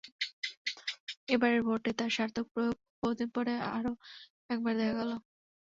এবারের ভোটে তার সার্থক প্রয়োগ বহুদিন পরে আরও একবার দেখা গেল।